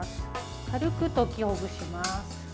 軽く溶きほぐします。